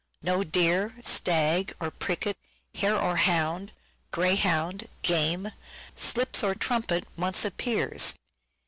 No deer, stag or pricket, hare or hound, greyhound, game, slips or trumpet, once appears.